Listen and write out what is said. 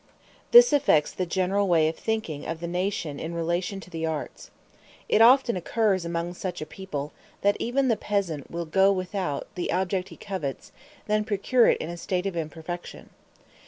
This affects the general way of thinking of the nation in relation to the arts. It often occurs, among such a people, that even the peasant will rather go without the object he covets, than procure it in a state of imperfection.